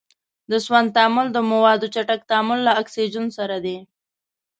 د سون تعامل د موادو چټک تعامل له اکسیجن سره دی.